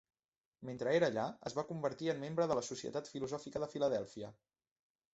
Mentre era allà, es va convertir en membre de la Societat Filosòfica de Filadèlfia.